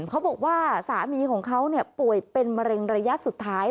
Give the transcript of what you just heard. เขาบอกว่าสามีของเขาป่วยเป็นมะเร็งระยะสุดท้าย